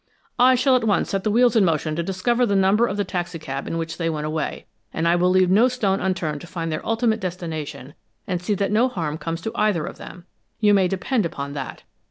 "I shall at once set the wheels in motion to discover the number of the taxicab in which they went away, and I will leave no stone unturned to find their ultimate destination and see that no harm comes to either of them; you may depend upon that.